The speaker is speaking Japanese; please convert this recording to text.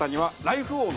ライフ王。